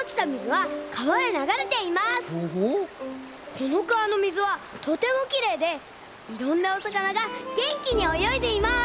このかわのみずはとてもきれいでいろんなおさかながげんきにおよいでいます！